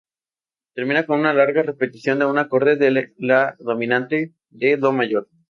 Termina con una larga repetición de un acorde de la dominante de Do mayor.